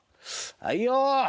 はいよ。